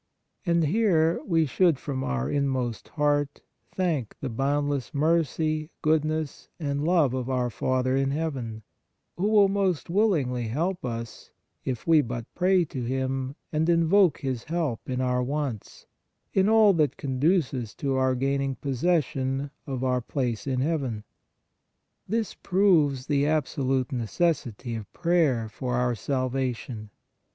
And here we should from our inmost heart thank the boundless mercy, goodness and love of our Father in heaven, who will most willingly help us, if we but pray to Him and invoke His help in our wants, in all that conduces to our gaining possession of " our place in Heaven." This proves the absolute necessity of prayer for our salvation.